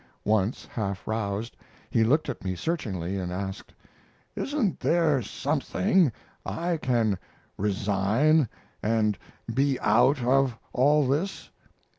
Once, half roused, he looked at me searchingly and asked: "Isn't there something I can resign and be out of all this?